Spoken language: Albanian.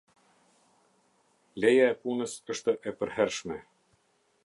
Leja e punës është e përhershme.